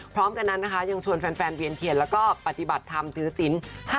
พร้อมกันนั้นนะคะยังชวนแฟนเวียนเทียนแล้วก็ปฏิบัติธรรมถือศิลป์